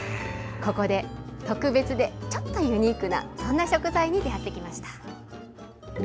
ここで特別でちょっとユニークな食材と出会ってきました。